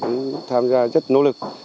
cũng tham gia rất nỗ lực